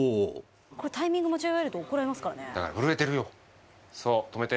これタイミング間違えると怒られますからね。